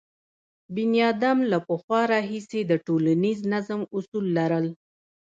بنیادم له پخوا راهیسې د ټولنیز نظم اصول لرل.